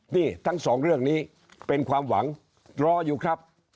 นี่ทั้งสองเรื่องนี้เป็นความหวังรออยู่ครับ